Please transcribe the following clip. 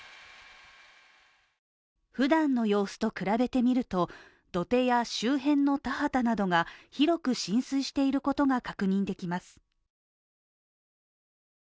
ふだんの様子と比べてみると、土手や周辺の田畑などが広く浸水していることが確認できます。